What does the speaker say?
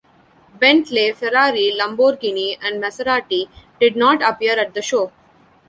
Bentley, Ferrari, Lamborghini, and Maserati did not appear at the show.